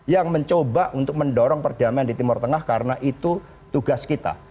yang mencoba untuk mendorong perdamaian di timur tengah karena itu tugas kita